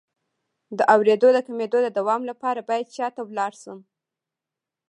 د اوریدو د کمیدو د دوام لپاره باید چا ته لاړ شم؟